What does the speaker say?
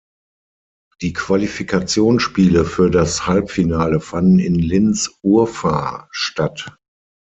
Die Qualifikationsspiele für das Halbfinale fanden in Linz-Urfahr statt.